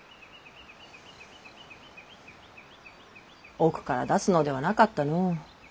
奥から出すのではなかったの。